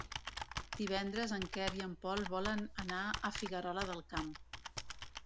Divendres en Quer i en Pol volen anar a Figuerola del Camp.